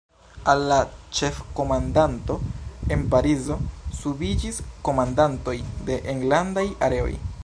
Al la Ĉefkomandanto en Parizo subiĝis komandantoj de enlandaj Areoj.